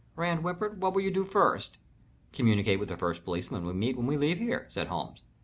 Rand whimpered. "What will you do first?" "Communicate with the first policeman we meet when we leave here," said Holmes.